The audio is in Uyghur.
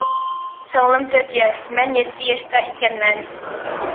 سىڭلىم تۆت ياش، مەن يەتتە ياشتا ئىكەنمەن.